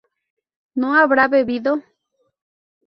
¿no habrá bebido?